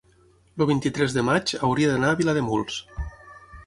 el vint-i-tres de maig hauria d'anar a Vilademuls.